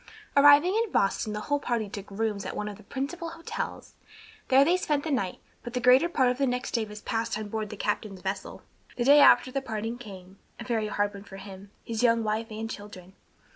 Arriving in Boston, the whole party took rooms at one of the principal hotels. There they spent the night, but the greater part of the next day was passed on board the captain's vessel. The day after the parting came; a very hard one for him, his young wife and children.